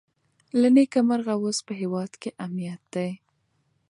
له نېکمرغه اوس په هېواد کې امنیت دی.